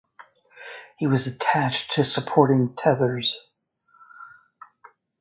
He was attached to supporting tethers.